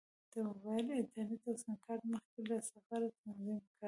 د موبایل انټرنیټ او سیم کارت مخکې له سفره تنظیم کړه.